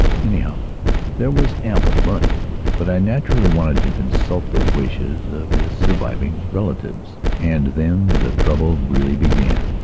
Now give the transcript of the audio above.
Anyhow, there was ample money. But I naturally wanted to consult the wishes of his surviving relatives and then the trouble really began.